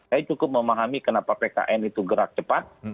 saya cukup memahami kenapa pkn itu gerak cepat